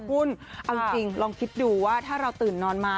คุณเอาจริงลองคิดดูว่าถ้าเราตื่นนอนมา